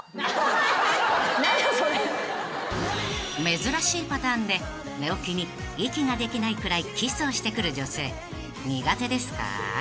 ［珍しいパターンで寝起きに息ができないくらいキスをしてくる女性苦手ですか？］